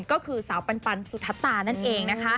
ก็คือสาวปันสุธะตานั่นเอง